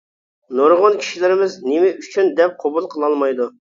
نۇرغۇن كىشىلىرىمىز «نېمە ئۈچۈن؟ » دەپ قوبۇل قىلالمايدۇ.